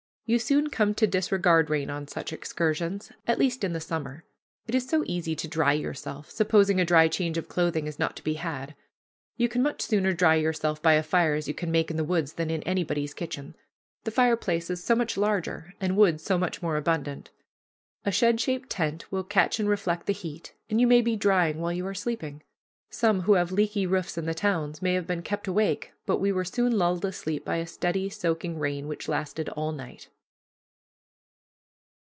You soon come to disregard rain on such excursions, at least in the summer, it is so easy to dry yourself, supposing a dry change of clothing is not to be had. You can much sooner dry you by such a fire as you can make in the woods than in anybody's kitchen, the fireplace is so much larger, and wood so much more abundant. A shed shaped tent will catch and reflect the heat, and you may be drying while you are sleeping. Some who have leaky roofs in the towns may have been kept awake, but we were soon lulled asleep by a steady, soaking rain, which lasted all night.